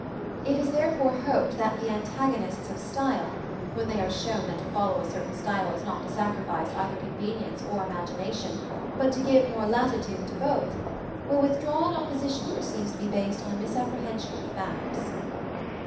] It is therefore hoped that the antagonists of "style," when they are shown that to follow a certain style is not to sacrifice either convenience or imagination, but to give more latitude to both, will withdraw an opposition which seems to be based on a misapprehension of facts.